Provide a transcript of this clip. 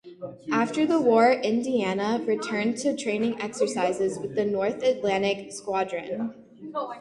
After the war, "Indiana" returned to training exercises with the North Atlantic Squadron.